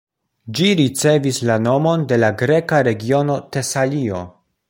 Ĝi ricevis la nomon de la greka regiono Tesalio.